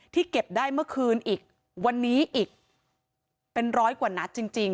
เก็บได้เมื่อคืนอีกวันนี้อีกเป็นร้อยกว่านัดจริง